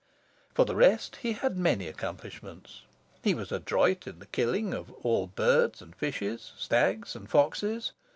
For the rest, he had many accomplishments. He was adroit in the killing of all birds and fishes, stags and foxes.